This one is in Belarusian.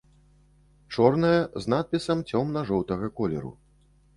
Чорная з надпісам цёмна-жоўтага колеру.